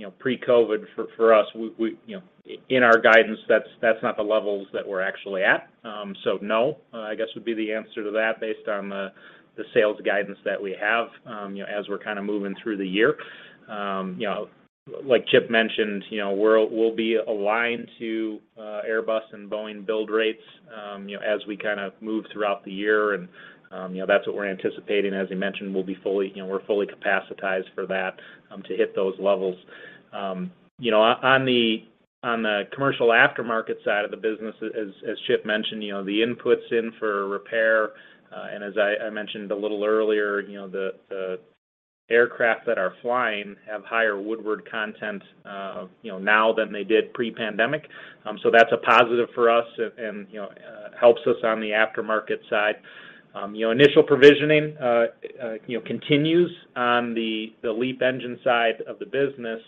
know, pre-COVID for us, we, you know, in our guidance, that's not the levels that we're actually at. No, I guess would be the answer to that based on the sales guidance that we have, you know, as we're kind of moving through the year. You know, like Chip mentioned, you know, we'll be aligned to Airbus and Boeing build rates, you know, as we kind of move throughout the year. You know, that's what we're anticipating. As he mentioned, you know, we're fully capacitized for that to hit those levels. Um, you know, on the, on the commercial aftermarket side of the business, as Chip mentioned, you know, the input's in for repair. Uh, and as I mentioned a little earlier, you know, the aircraft that are flying have higher Woodward content, uh, you know, now than they did pre-pandemic. Um, so that's a positive for us and, you know, uh, helps us on the aftermarket side. Um, you know, initial provisioning, uh, you know, continues on the LEAP engine side of the business.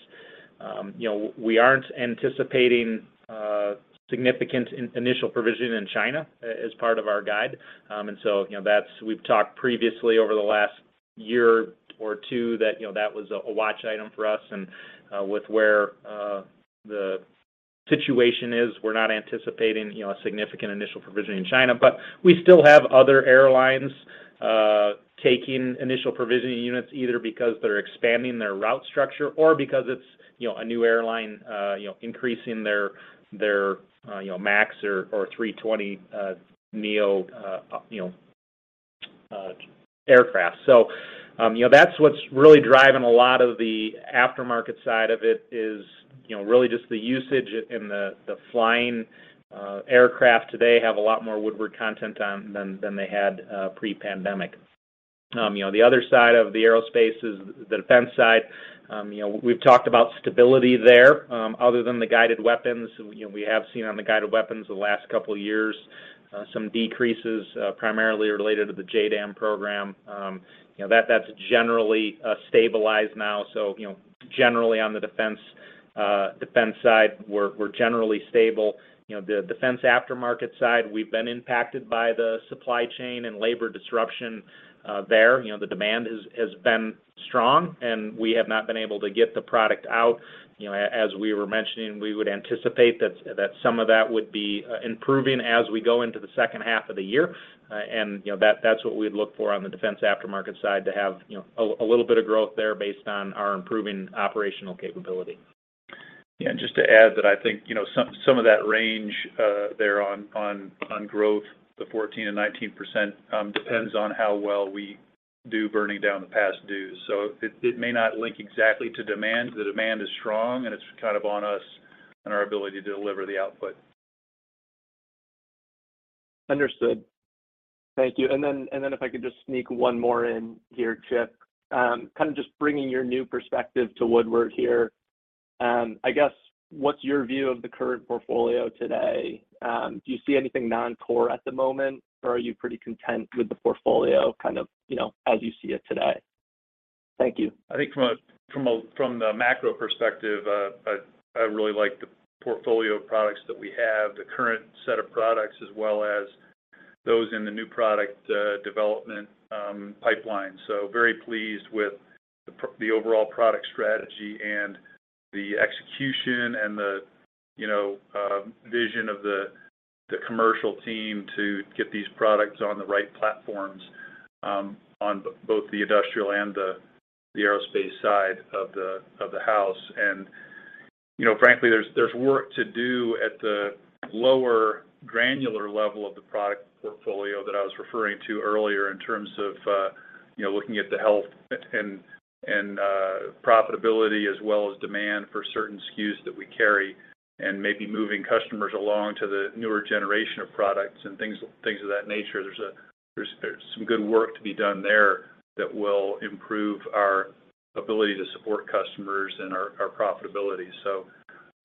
Um, you know, we aren't anticipating, uh, significant in-initial provisioning in China a-as part of our guide. Um, and so, you know, that's-- we've talked previously over the last year or two that, you know, that was a watch item for us. With where the situation is, we're not anticipating, you know, a significant initial provisioning in China. We still have other airlines taking initial provisioning units, either because they're expanding their route structure or because it's, you know, a new airline, you know, increasing their, you know, MAX or 320neo, you know, aircraft. You know, that's what's really driving a lot of the aftermarket side of it is, you know, really just the usage and the flying. Aircraft today have a lot more Woodward content on than they had pre-pandemic. You know, the other side of the aerospace is the defense side. You know, we've talked about stability there, other than the guided weapons. You know, we have seen on the guided weapons the last couple years some decreases, primarily related to the JDAM program. You know, that's generally stabilized now. You know, generally on the defense side, we're generally stable. You know, the defense aftermarket side, we've been impacted by the supply chain and labor disruption there. You know, the demand has been strong, and we have not been able to get the product out. You know, as we were mentioning, we would anticipate that some of that would be improving as we go into the second half of the year. You know, that's what we'd look for on the defense aftermarket side to have, you know, a little bit of growth there based on our improving operational capability.
Yeah. Just to add that I think, you know, some of that range there on growth, 14%-19%, depends on how well we do burning down the past dues. It may not link exactly to demand. The demand is strong, and it's kind of on us and our ability to deliver the output.
Understood. Thank you. If I could just sneak one more in here, Chip. Kind of just bringing your new perspective to Woodward here, I guess, what's your view of the current portfolio today? Do you see anything non-core at the moment, or are you pretty content with the portfolio kind of, you know, as you see it today? Thank you.
I think from the macro perspective, I really like the portfolio of products that we have, the current set of products as well as those in the new product development pipeline. Very pleased with the overall product strategy and the execution and the, you know, vision of the commercial team to get these products on the right platforms on both the industrial and the aerospace side of the house. You know, frankly, there's work to do at the lower granular level of the product portfolio that I was referring to earlier in terms of, you know, looking at the health and profitability as well as demand for certain SKUs that we carry and maybe moving customers along to the newer generation of products and things of that nature. There's some good work to be done there that will improve our ability to support customers and our profitability.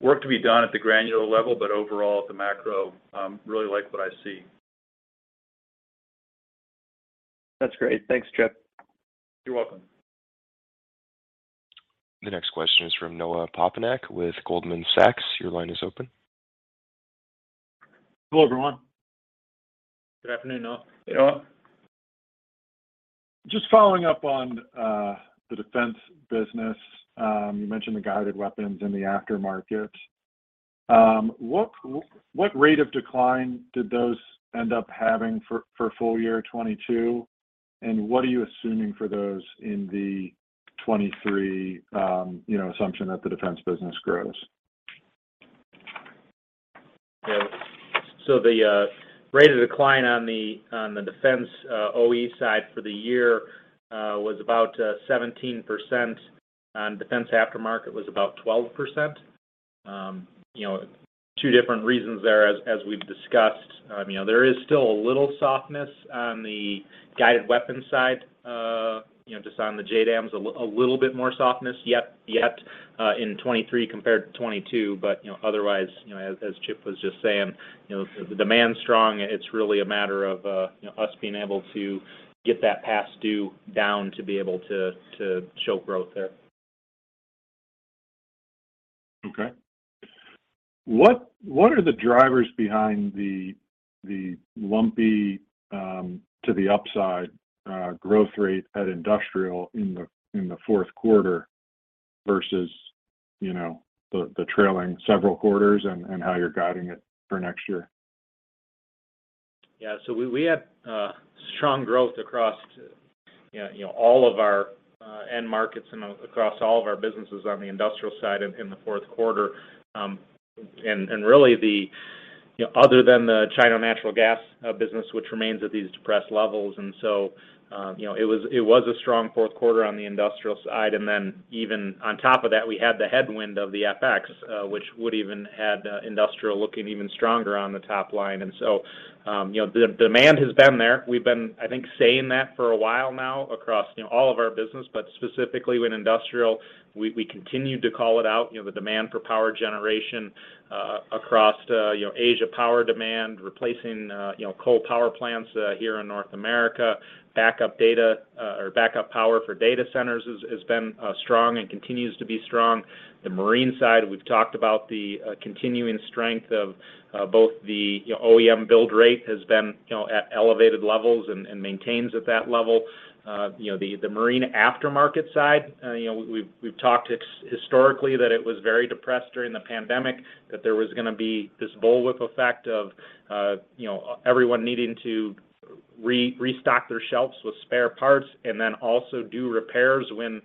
Work to be done at the granular level, but overall at the macro, really like what I see.
That's great. Thanks, Chip.
You're welcome.
The next question is from Noah Poponak with Goldman Sachs. Your line is open.
Hello, everyone.
Good afternoon, Noah.
Hey, Noah.
Just following up on the defense business. You mentioned the guided weapons in the aftermarket. What rate of decline did those end up having for full year 2022? What are you assuming for those in the 2023, you know, assumption that the defense business grows?
Yeah. The rate of decline on the defense OE side for the year was about 17%. On defense aftermarket was about 12%. You know, two different reasons there as we've discussed. You know, there is still a little softness on the guided weapons side, you know, just on the JDAMs, a little bit more softness yet in 2023 compared to 2022. You know, otherwise, you know, as Chip was just saying, you know, demand's strong. It's really a matter of, you know, us being able to get that past due down to be able to show growth there.
Okay. What are the drivers behind the lumpy to the upside growth rate at Industrial in the Q4 versus, you know, the trailing several quarters and how you're guiding it for next year?
Yeah. We had strong growth across, you know, all of our end markets and across all of our businesses on the industrial side in the Q4. Really the, you know, other than the China natural gas business, which remains at these depressed levels. You know, it was a strong Q4 on the industrial side. Even on top of that, we had the headwind of the FX, which would even have industrial looking even stronger on the top line. You know, the demand has been there. We've been, I think, saying that for a while now across, you know, all of our business, but specifically with industrial, we continued to call it out, you know, the demand for power generation across, you know, Asia, power demand replacing, you know, coal power plants here in North America. Backup data or backup power for data centers has been strong and continues to be strong. The marine side, we've talked about the continuing strength of both the, you know, OEM build rate has been, you know, at elevated levels and maintains at that level. You know, the marine aftermarket side, you know, we've talked historically that it was very depressed during the pandemic, that there was gonna be this bullwhip effect of, you know, everyone needing to restock their shelves with spare parts and then also do repairs when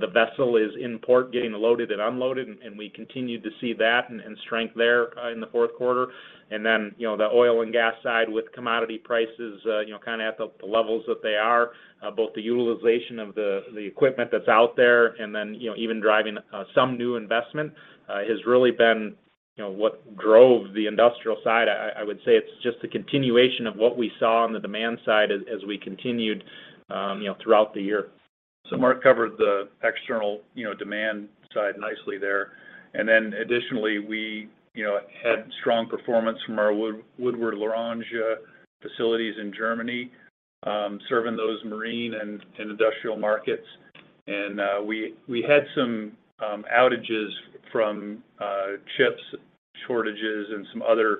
the vessel is in port getting loaded and unloaded. We continued to see that and strength there in the Q4. You know, the oil and gas side with commodity prices, you know, kind of at the levels that they are, both the utilization of the equipment that's out there and then, you know, even driving some new investment, has really been, you know, what drove the industrial side. I would say it's just a continuation of what we saw on the demand side as we continued, you know, throughout the year.
Mark covered the external, you know, demand side nicely there. Additionally, we, you know, had strong performance from our Woodward L'Orange facilities in Germany serving those marine and industrial markets. We had some outages from chip shortages and some other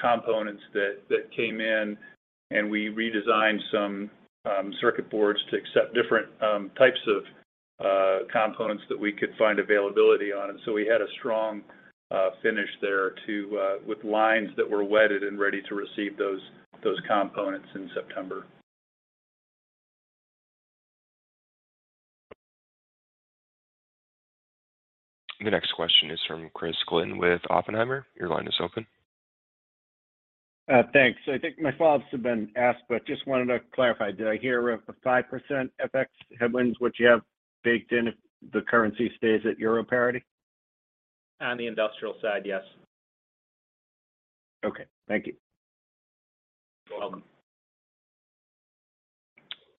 components that came in, and we redesigned some circuit boards to accept different types of components that we could find availability on. We had a strong finish there with lines that were wetted and ready to receive those components in September.
The next question is from Christopher Glynn with Oppenheimer. Your line is open.
Thanks. I think my thoughts have been asked, but just wanted to clarify. Did I hear a 5% F.X. headwinds, which you have baked in if the currency stays at euro parity?
On the industrial side, yes.
Okay. Thank you.
You're welcome.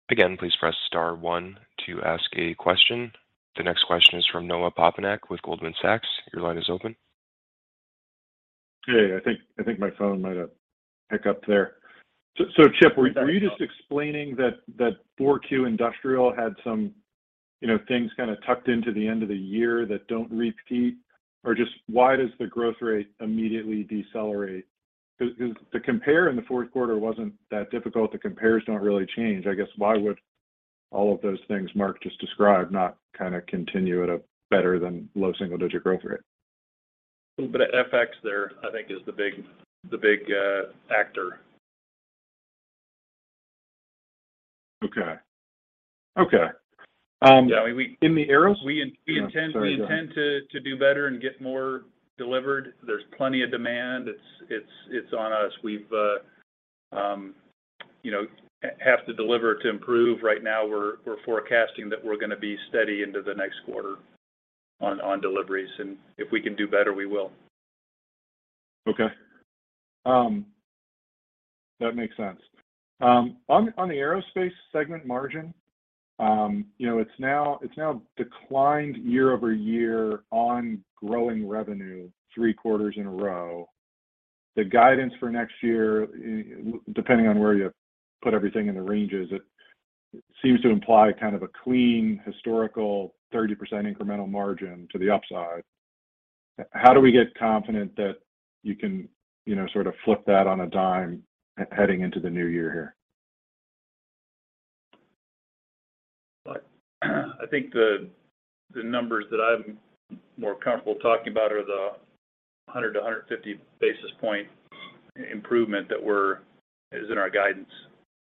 Again, please press star one to ask a question. The next question is from Noah Poponak with Goldman Sachs. Your line is open.
Hey. I think my phone might have hiccuped there. Chip, were you just explaining that Q4 industrial had some, you know, things kind of tucked into the end of the year that don't repeat? Just why does the growth rate immediately decelerate? 'Cause the compare in the Q4 wasn't that difficult. The compares don't really change. I guess, why would all of those things Mark just described not kind of continue at a better than low single-digit growth rate?
Little bit of FX there, I think is the big actor.
Okay.
Yeah.
In the Aerospace.
We in-
Sorry, go ahead.
We intend to do better and get more delivered. There's plenty of demand. It's on us. We've, you know, have to deliver to improve. Right now we're forecasting that we're gonna be steady into the next quarter on deliveries, and if we can do better, we will.
Okay. Um, that makes sense. Um, on the aerospace segment margin, um, you know, it's now, it's now declined year over year on growing revenue three quarters in a row. The guidance for next year, uh, depending on where you put everything in the ranges, it seems to imply kind of a clean historical thirty percent incremental margin to the upside. H-how do we get confident that you can, you know, sort of flip that on a dime h-heading into the new year here?
Look, I think the numbers that I'm more comfortable talking about are the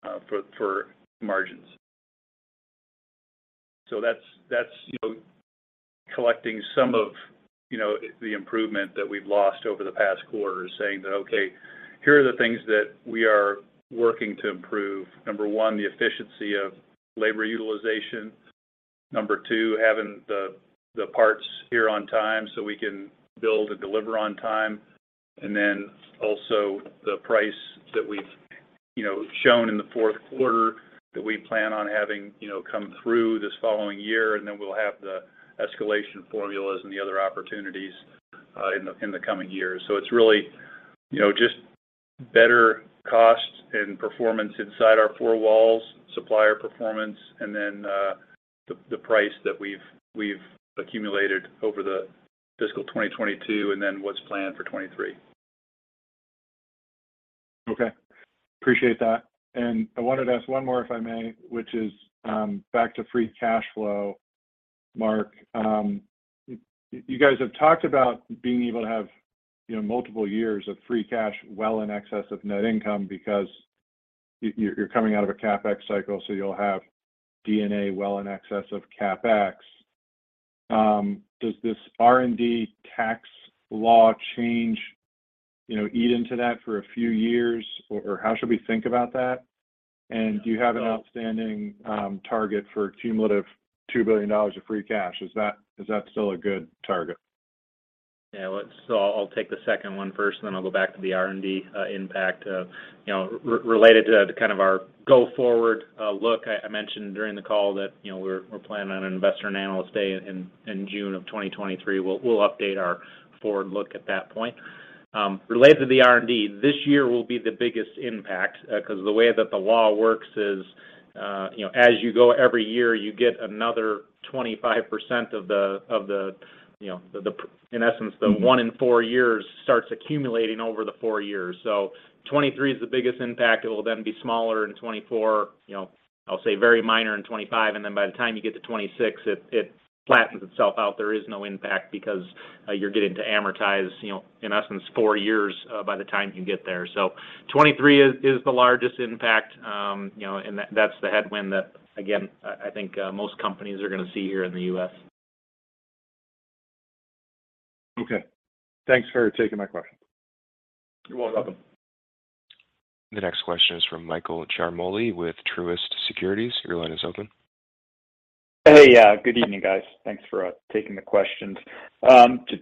100-150 basis point improvement that is in our guidance for margins. That's, you know, collecting some of, you know, the improvement that we've lost over the past quarters, saying that, okay, here are the things that we are working to improve. Number one, the efficiency of labor utilization. Number two, having the parts here on time so we can build and deliver on time. And then also the price that we've, you know, shown in the Q4 that we plan on having, you know, come through this following year, and then we'll have the escalation formulas and the other opportunities, uh, in the, in the coming years." So it's really, you know, just better costs and performance inside our four walls, supplier performance, and then, uh, the price that we've accumulated over the fiscal 2022 and then what's planned for '23.
Okay. Appreciate that. I wanted to ask one more, if I may, which is back to free cash flow, Mark. You guys have talked about being able to have, you know, multiple years of free cash well in excess of net income because you're coming out of a CapEx cycle, so you'll have D&A well in excess of CapEx. Does this R&D tax law change, you know, eat into that for a few years or how should we think about that? Do you have an outstanding target for cumulative $2 billion of free cash? Is that still a good target?
Yeah, I'll take the second one first, and then I'll go back to the R&D impact. You know, related to kind of our go-forward look, I mentioned during the call that, you know, we're planning on an investor and analyst day in June of 2023. We'll update our forward look at that point. Related to the R&D, this year will be the biggest impact 'cause the way that the law works is, you know, as you go every year, you get another 25% of the, you know, the, in essence, the one in four years starts accumulating over the four years. 2023 is the biggest impact. It'll then be smaller in 2024, you know, I'll say very minor in 2025, and then by the time you get to 2026, it flattens itself out. There is no impact because you're getting to amortize, you know, in essence four years by the time you get there. 2023 is the largest impact, you know, and that's the headwind that, again, I think most companies are gonna see here in the U.S.
Okay. Thanks for taking my question.
You're welcome.
The next question is from Michael Ciarmoli with Truist Securities. Your line is open.
Hey. Yeah. Good evening, guys. Thanks for taking the questions.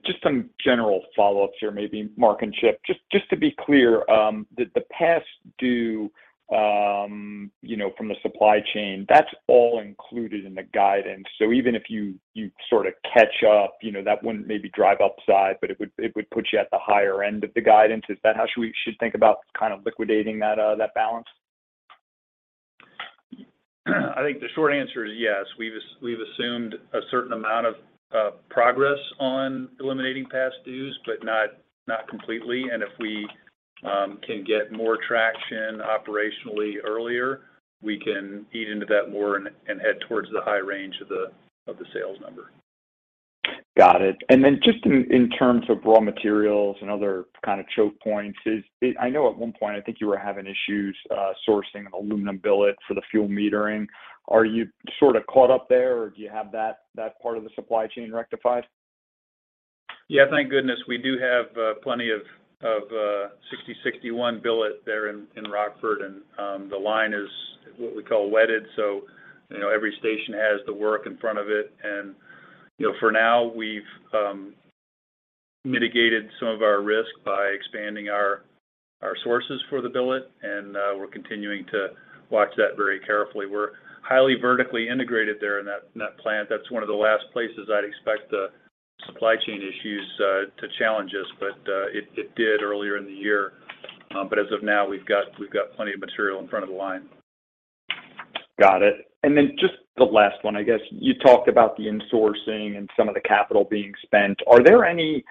Just some general follow-ups here maybe, Mark and Chip. Just to be clear, the past due, you know, from the supply chain, that's all included in the guidance. Even if you sort of catch up, you know, that wouldn't maybe drive upside, but it would put you at the higher end of the guidance. Is that how we should think about kind of liquidating that balance?
I think the short answer is yes. We've assumed a certain amount of progress on eliminating past dues, but not completely. If we can get more traction operationally earlier, we can eat into that more and head towards the high range of the sales number.
Got it. Just in terms of raw materials and other kind of choke points, I know at one point, I think you were having issues sourcing an aluminum billet for the fuel metering. Are you sort of caught up there, or do you have that part of the supply chain rectified?
Yeah, thank goodness we do have plenty of 6061 billet there in Rockford. The line is what we call wetted, so you know, every station has the work in front of it. You know, for now, we've mitigated some of our risk by expanding our sources for the billet, and we're continuing to watch that very carefully. We're highly vertically integrated there in that plant. That's one of the last places I'd expect the supply chain issues to challenge us. It did earlier in the year. As of now, we've got plenty of material in front of the line.
Got it. Just the last one, I guess. You talked about the insourcing and some of the capital being spent. Are there any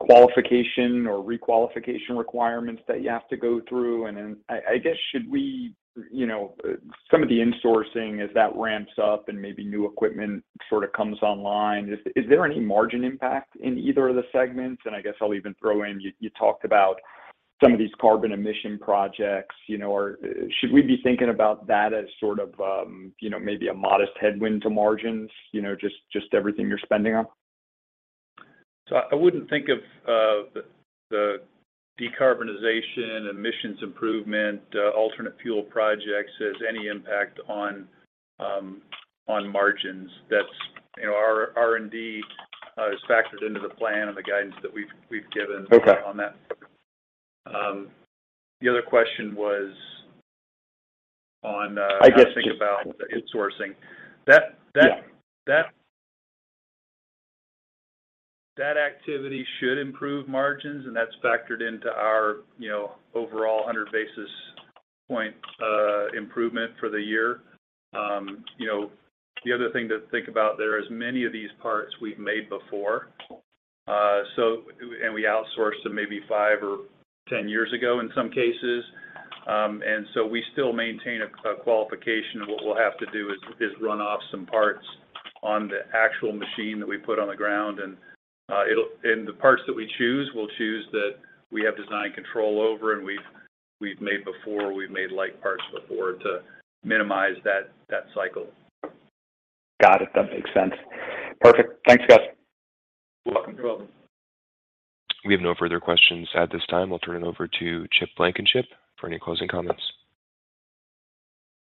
qualification or re-qualification requirements that you have to go through? You know, some of the insourcing as that ramps up and maybe new equipment sort of comes online, is there any margin impact in either of the segments? I guess I'll even throw in, you talked about some of these carbon emission projects. You know, should we be thinking about that as sort of, you know, maybe a modest headwind to margins? You know, just everything you're spending on?
I wouldn't think of the decarbonization, emissions improvement, alternate fuel projects as any impact on margins. You know, our R&D is factored into the plan and the guidance that we've given.
Okay...
on that. Um, the other question was on, uh-
I guess just.
How to think about insourcing.
Yeah
That activity should improve margins. That's factored into our, you know, overall 100 basis point improvement for the year. You know, the other thing to think about there is many of these parts we've made before. We outsourced them maybe five or 10 years ago in some cases. We still maintain a qualification, and what we'll have to do is run off some parts on the actual machine that we put on the ground. The parts that we choose, we'll choose that we have design control over and we've made like parts before to minimize that cycle.
Got it. That makes sense. Perfect. Thanks, guys.
You're welcome.
We have no further questions at this time. We'll turn it over to Chip Blankenship for any closing comments.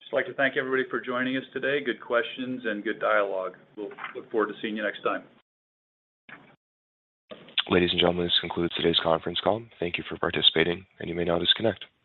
Just like to thank everybody for joining us today. Good questions and good dialogue. We'll look forward to seeing you next time.
Ladies and gentlemen, this concludes today's conference call. Thank you for participating, and you may now disconnect.